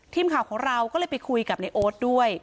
ทีมข่าวของเราก็เลยไปคุยกับในโอ๊ตด้วย